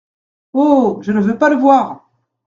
Oh ! je ne veux pas le voir !